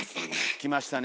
きましたね